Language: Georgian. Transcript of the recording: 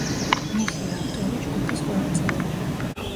მისი ავტორი ჯგუფის ყველა წევრია.